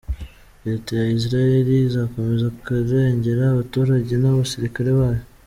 Leta ya Israel izakomeza kurengera abaturage n’abasirikare bayo.